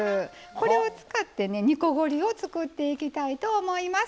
これを使って煮こごりを作っていきたいと思います。